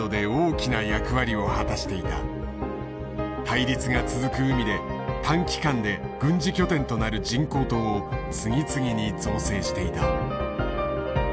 対立が続く海で短期間で軍事拠点となる人工島を次々に造成していた。